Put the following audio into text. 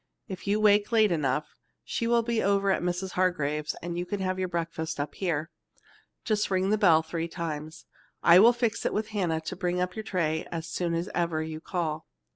If you wake late enough, she will be over at Mrs. Hargrave's and you could have your breakfast up here. Just ring the bell three times. I will fix it with Hannah to bring you a tray as soon as ever you call.